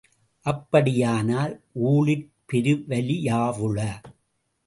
அப்படியானால் ஊழிற் பெருவலியாவுள?